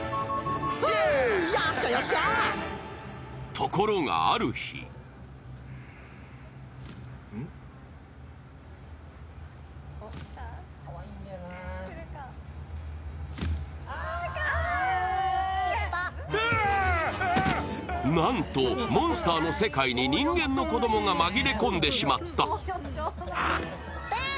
ところがある日なんとモンスターの世界に人間の子供が紛れ込んでしまった。